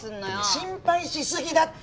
心配しすぎだって！